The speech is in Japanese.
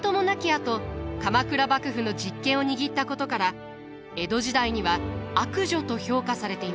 あと鎌倉幕府の実権を握ったことから江戸時代には悪女と評価されていました。